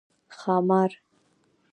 🐉ښامار